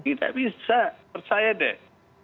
kita bisa percaya deh